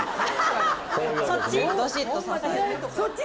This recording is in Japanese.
そっち？